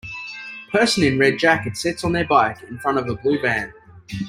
Person in red jacket sits on their bike, in front of a blue van.